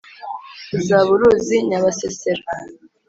uzaba uruzi nyabasesera